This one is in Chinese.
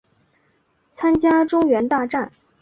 参加中原大战。